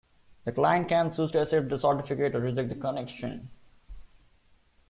The client can choose to accept the certificate or reject the connection.